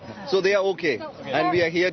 mereka bisa melakukan aktivitas mereka sehari hari